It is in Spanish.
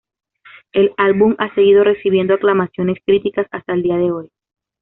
El álbum ha seguido recibiendo aclamaciones críticas hasta el día de hoy.